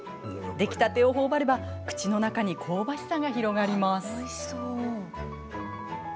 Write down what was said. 出来たてをほおばれば口の中に香ばしさが広がります。